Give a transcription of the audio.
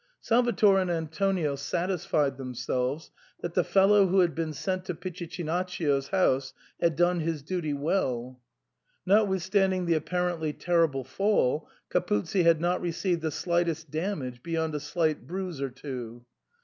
Salvator and Antonio satisfied themselves that the fellow who had been sent to Pitichinaccio's house had done his duty well. Notwithstanding the apparently terrible fall, Capuzzi had not received the slightest damage beyond a slight bruise or two.